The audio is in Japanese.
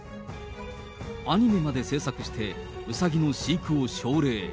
アニメまで制作して、ウサギの飼育を奨励。